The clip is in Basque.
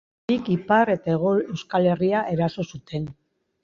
Handik ipar eta hego Euskal Herria eraso zuten.